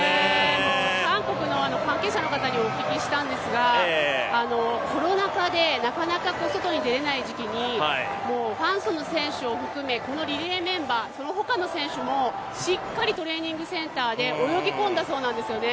韓国の関係者の方にお聞きしたんですが、コロナ禍でなかなか外に出れない時期に、このリレーメンバー、そのほかの選手もしっかりトレーニングセンターで泳ぎこんだそうなんですよね。